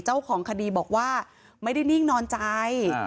เจ้าของคดีบอกว่าไม่ได้นิ่งนอนใจ